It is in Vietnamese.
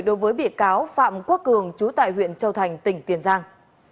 đối với bị cáo phạm quốc cường chú tại huyện châu thành tỉnh tiền giang